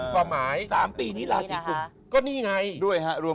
๓ปีนี้ราศรีกุม